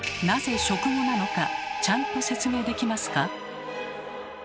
なぜ「食後」なのかちゃんと説明できますか？